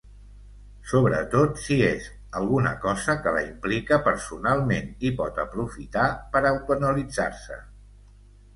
Sobretot si és alguna cosa que la implica personalment i pot aprofitar per autoanalitzar-se.